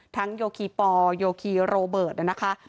โยคีปอลโยคีโรเบิร์ตนะคะ